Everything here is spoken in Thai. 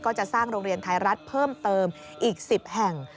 จะสร้างโรงเรียนไทยรัฐเพิ่มเติมอีก๑๐แห่ง